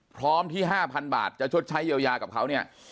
พร้อมที่๕๐๐๐บาทจะชดใช้เยียวยากับเขาเนี่ย